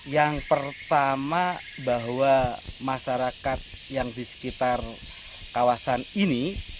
yang pertama bahwa masyarakat yang di sekitar kawasan ini